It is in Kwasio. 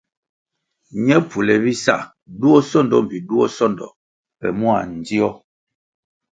Ñe pfule bisa duo sondo mbpi duo sondo pe mua ndzio.